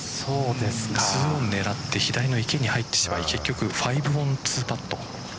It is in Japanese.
ツーオンを狙って左の池に入ってしまい結局、５オン２パット。